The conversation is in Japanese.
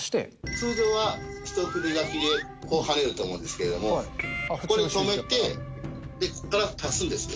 通常は一筆書きでこうはねると思うんですけど、ここでとめて、ここから足すんですよ。